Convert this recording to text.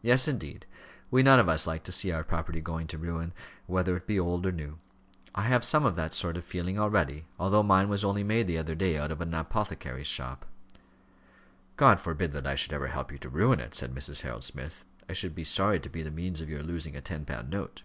"Yes, indeed; we none of us like to see our property going to ruin, whether it be old or new. I have some of that sort of feeling already, although mine was only made the other day out of an apothecary's shop." "God forbid that I should ever help you to ruin it," said Mrs. Harold Smith. "I should be sorry to be the means of your losing a ten pound note."